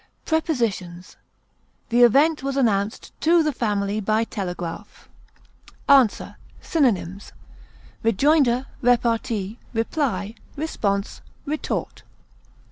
Prepositions: The event was announced to the family by telegraph. ANSWER. Synonyms: rejoinder, repartee, reply, response, retort.